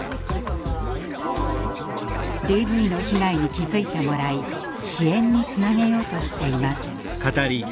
ＤＶの被害に気付いてもらい支援につなげようとしています。